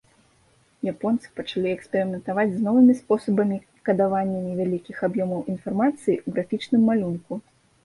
Японцы пачалі эксперыментаваць з новымі спосабамі кадавання невялікіх аб'ёмаў інфармацыі ў графічным малюнку.